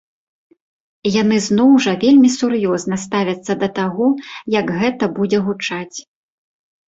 І яны зноў жа вельмі сур'ёзна ставяцца да таго, як гэта будзе гучаць.